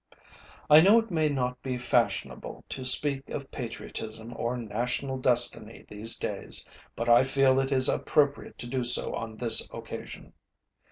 I know it may not be fashionable to speak of patriotism or national destiny these days, but I feel it is appropriate to do so on this occasion.